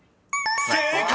［正解！